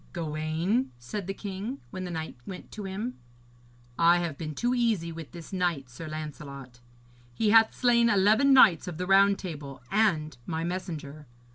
'Gawaine,' said the king, when the knight went to him, 'I have been too easy with this knight, Sir Lancelot. He hath slain eleven knights of the Round Table and my messenger.